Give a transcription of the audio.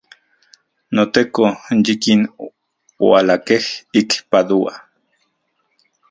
NoTeko, yikin oualakej ik Padua.